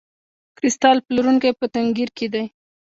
کریستال پلورونکی په تنګیر کې دی.